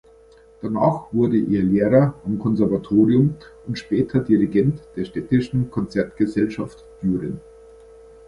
Danach wurde er Lehrer am Konservatorium und später Dirigent der Städtischen Konzertgesellschaft Düren.